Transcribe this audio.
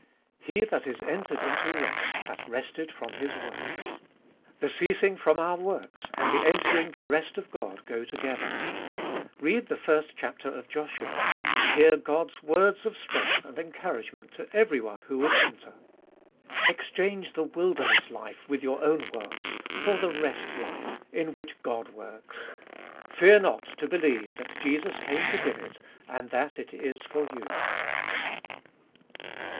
He that is entered into rest hath rested from his works. The ceasing from our works and the entering the rest of God go together. Read the first chapter of Joshua, and hear God's words of strength and encouragement to everyone who would 154 Cbe Doliest of 2UI enter. Exchange the wilderness life with your own works for the rest life in which God works. Fear not to believe that Jesus came to give it, and that it is for you.